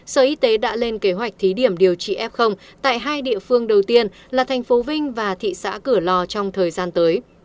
sở y tế đã lên kế hoạch thí điểm điều trị f tại hai địa phương đầu tiên là thành phố vinh và thị xã cửa lò trong thời gian tới